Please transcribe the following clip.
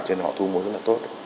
cho nên họ thu mua rất là tốt